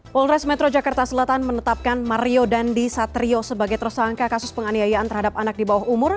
polres metro jakarta selatan menetapkan mario dandi satrio sebagai tersangka kasus penganiayaan terhadap anak di bawah umur